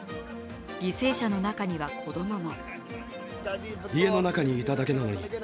犠牲者の中には、子供も。